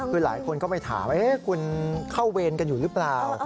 คือหลายคนก็ไปถามคุณเข้าเวรกันอยู่หรือเปล่า